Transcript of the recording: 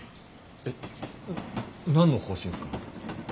えっ何の方針すか？